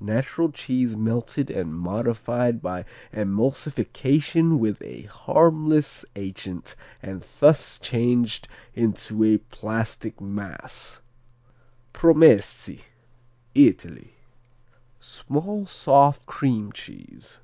Natural cheese melted and modified by emulsification with a harmless agent and thus changed into a plastic mass. Promessi Italy Small soft cream cheese.